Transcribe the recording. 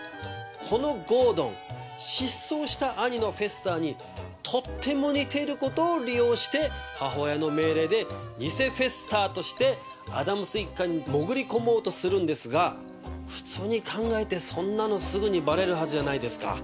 このゴードン失踪した兄のフェスターにとっても似ていることを利用して母親の命令で偽フェスターとしてアダムス一家に潜り込もうとするんですが普通に考えてそんなのすぐにバレるはずじゃないですか。